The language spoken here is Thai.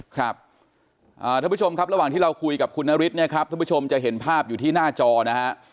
ท่านผู้ชมครับระหว่างที่เราคุยกับคุณนฤทธิเนี่ยครับท่านผู้ชมจะเห็นภาพอยู่ที่หน้าจอนะฮะ